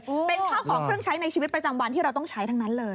เป็นข้าวของเครื่องใช้ในชีวิตประจำวันที่เราต้องใช้ทั้งนั้นเลย